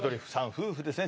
夫婦ですね